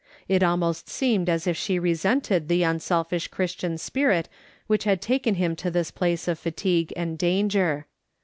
It almost seemed as if she resented the unselfish Christian spirit which had taken him to this place of fatigue and danger.